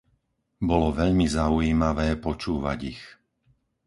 Bolo veľmi zaujímavé počúvať ich.